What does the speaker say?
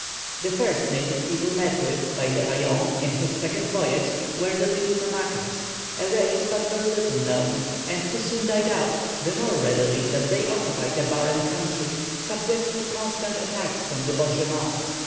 The first native people met with by Le Vaillant in his second voyage were the Little Namaquas, a race but very little known, and who soon died out the more readily that they occupied a barren country, subject to constant attacks from the Bosjemans.